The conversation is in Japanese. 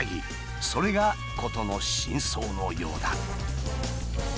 それが事の真相のようだ。